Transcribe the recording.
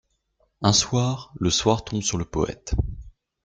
Un soir, le soir tombe sur le poète.